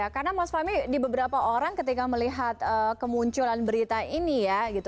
karena mas fahmi di beberapa orang ketika melihat kemunculan berita ini ya